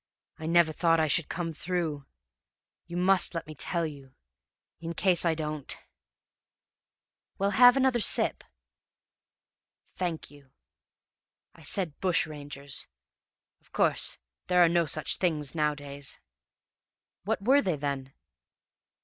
I never thought I should come through. You must let me tell you in case I don't!' "'Well, have another sip.' "'Thank you ... I said bushrangers; of course, there are no such things nowadays.' "'What were they, then?'